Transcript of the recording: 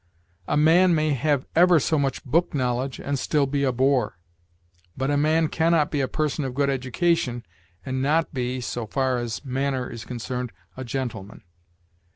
A man may have ever so much book knowledge and still be a boor; but a man can not be a person of good education and not be so far as manner is concerned a gentleman.